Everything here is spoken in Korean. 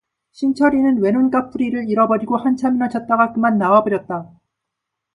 신철이는 외눈까풀이를 잃어버리고 한참이나 찾다가 그만 나와 버렸다.